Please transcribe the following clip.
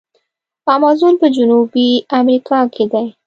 امازون په جنوبي امریکا کې دی.